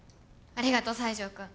ありがとう西条くん。